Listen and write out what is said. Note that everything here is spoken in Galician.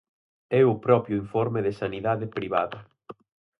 É o propio informe de Sanidade Privada.